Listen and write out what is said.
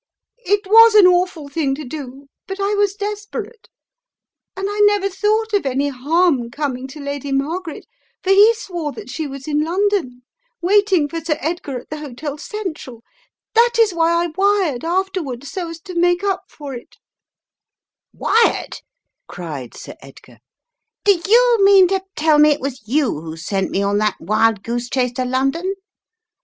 It was an awful thing to do but I was desperate. And I never thought of any harm coming to Lady Mar garet, for he swore that she was in London, waiting for Sir Edgar at the Hotel Central. That is why I wired, afterward, so as to make up for it " i "A Tale Unfolded" 301 "Wired?" cried Sir Edgar. "Do you mean to tell me it was you who sent me on that wild goose chase to London?"